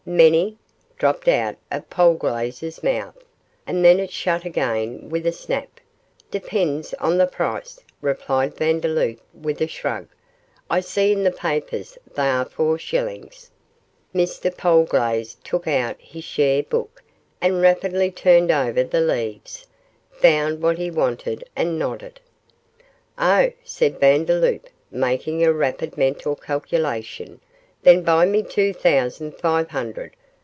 'Many?' dropped out of Polglaze's mouth, and then it shut again with a snap. 'Depends on the price,' replied Vandeloup, with a shrug; 'I see in the papers they are four shillings.' Mr Polglaze took up his share book, and rapidly turned over the leaves found what he wanted, and nodded. 'Oh!' said Vandeloup, making a rapid mental calculation, 'then buy me two thousand five hundred.